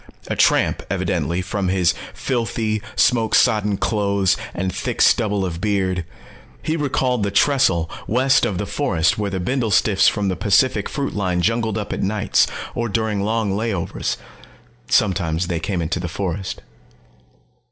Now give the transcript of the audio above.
A tramp, evidently, from his filthy, smoke sodden clothes and thick stubble of beard. He recalled the trestle west of the forest where the bindlestiffs from the Pacific Fruit line jungled up at nights, or during long layovers. Sometimes they came into the forest.